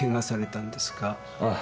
ああ。